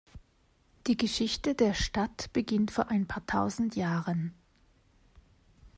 Die Geschichte der Stadt beginnt vor ein paar tausend Jahren.